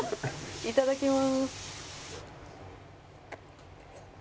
いただきます。